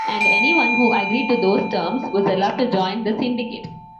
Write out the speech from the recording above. And anyone who agreed to those terms was allowed to join the syndicate.